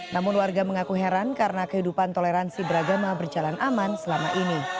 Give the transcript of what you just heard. namun warga mengaku heran karena kehidupan toleransi beragama berjalan aman selama ini